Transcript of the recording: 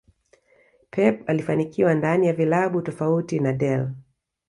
Pep alifanikiwa ndani ya vilabu tofauti na Del